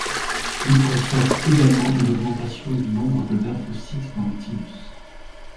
Il constate également une augmentation du nombre des lymphocytes dans le thymus.